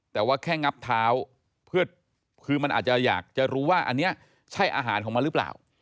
แต่ว่าแค่งับเท้าคือมันอาจจะอยากจะรู้ว่าอันนี้ใช่อาหารของมันหรือเปล่า